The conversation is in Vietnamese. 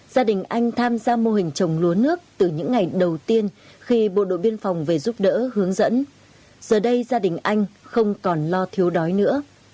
gia đình anh tham gia mô hình trồng lúa nước từ những ngày đầu tiên khi bộ đội biên phòng về giúp đỡ hướng dẫn giờ đây gia đình anh không còn lo thiếu đói nữa